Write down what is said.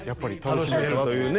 楽しめるというね。